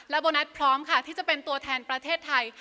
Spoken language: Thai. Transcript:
โบนัสพร้อมค่ะที่จะเป็นตัวแทนประเทศไทย